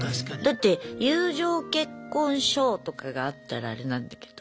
だって友情結婚証とかがあったらアレなんだけど。